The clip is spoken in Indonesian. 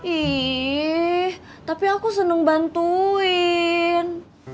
ih tapi aku seneng bantuin